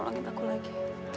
kamu jangan peduli saya lagi